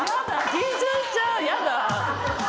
緊張しちゃうやだ。